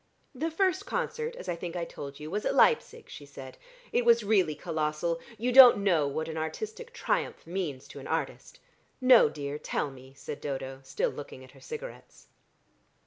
"The first concert, as I think I told you, was at Leipsic," she said. "It was really colossal. You don't know what an artistic triumph means to an artist." "No, dear; tell me," said Dodo, still looking at her cigarettes.